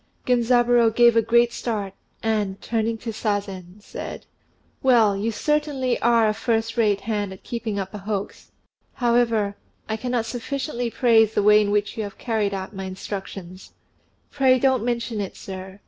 Genzaburô gave a great start, and, turning to Sazen, said, "Well, you certainly are a first rate hand at keeping up a hoax. However, I cannot sufficiently praise the way in which you have carried out my instructions." "Pray, don't mention it, sir.